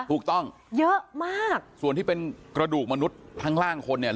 ถูกต้องเยอะมากส่วนที่เป็นกระดูกมนุษย์ทั้งล่างคนเนี่ย